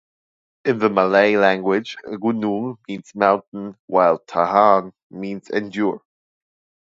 In the Malay language, 'gunung' means 'mountain', while 'tahan' means 'endure'.